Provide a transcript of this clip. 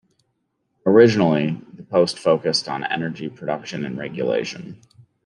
Originally the post focused on energy production and regulation.